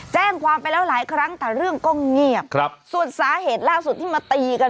แจ้งความไปแล้วหลายครั้งแต่เรื่องก็เงียบครับส่วนสาเหตุล่าสุดที่มาตีกัน